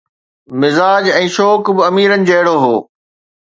، مزاج ۽ شوق به اميرن جهڙو هو.